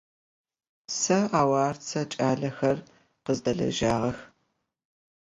Сэ аварцэ кӏалэхэр къыздэлэжьагъэх.